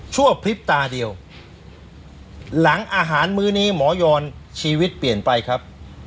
พริบตาเดียวหลังอาหารมื้อนี้หมอยอนชีวิตเปลี่ยนไปครับ